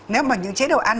nếu mà những chế độ ăn